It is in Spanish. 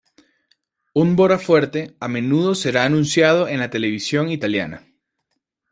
Un bora fuerte a menudo será anunciado en la televisión italiana.